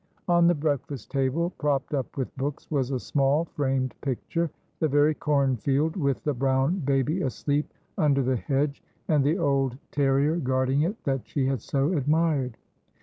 On the breakfast table, propped up with books, was a small framed picture, the very cornfield, with the brown baby asleep under the hedge, and the old terrier guarding it, that she had so admired.